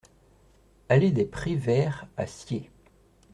Allée des Pres Verts à Sciez